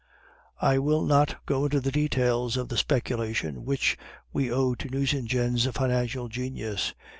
"I will not go into the details of the speculation which we owe to Nucingen's financial genius.